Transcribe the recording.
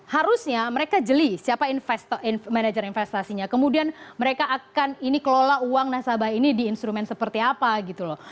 harusnya mereka jeli siapa manajer investasinya kemudian mereka akan ini kelola uang nasabah ini di instrumen seperti apa gitu loh